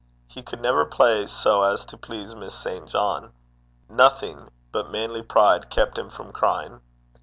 He could never play so as to please Miss St. John. Nothing but manly pride kept him from crying.